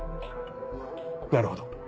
なるほど。